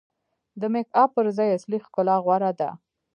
د میک اپ پر ځای اصلي ښکلا غوره ده.